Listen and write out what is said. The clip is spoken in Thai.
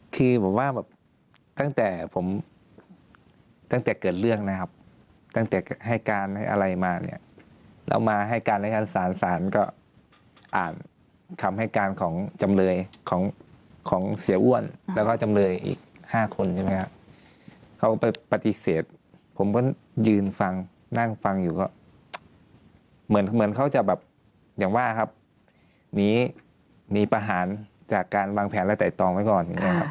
คือผมว่าแบบตั้งแต่ผมตั้งแต่เกิดเรื่องนะครับตั้งแต่ให้การให้อะไรมาเนี่ยเรามาให้การในชั้นศาลศาลก็อ่านคำให้การของจำเลยของของเสียอ้วนแล้วก็จำเลยอีก๕คนใช่ไหมครับเขาไปปฏิเสธผมก็ยืนฟังนั่งฟังอยู่ก็เหมือนเหมือนเขาจะแบบอย่างว่าครับหนีหนีประหารจากการวางแผนและไต่ตองไว้ก่อนอย่างนี้ครับ